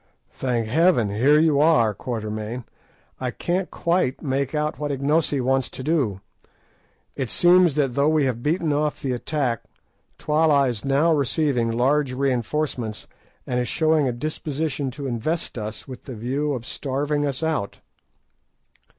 "Thank Heaven, here you are, Quatermain! I can't quite make out what Ignosi wants to do. It seems that though we have beaten off the attack, Twala is now receiving large reinforcements, and is showing a disposition to invest us, with the view of starving us out."